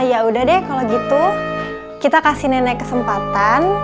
ya udah deh kalau gitu kita kasih nenek kesempatan